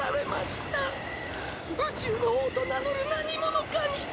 宇宙の王と名乗る何者かに！